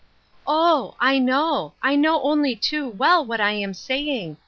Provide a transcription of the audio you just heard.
" Oh ! I know ; I know only too well what I am saying.